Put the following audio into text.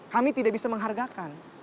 kami tidak bisa menghargakan